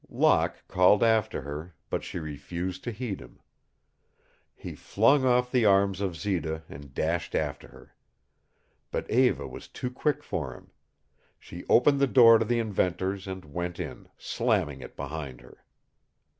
Locke called after her, but she refused to heed him. He flung off the arms of Zita and dashed after her. But Eva was too quick for him. She opened the door to the inventor's and went in, slamming it behind her.